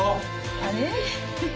あれ？